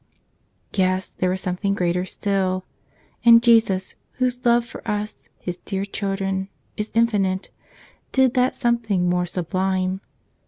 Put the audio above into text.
Yes; there was something greater still. And Jesus, Whose love for us, His dear children, is infinite, did that something more sublime.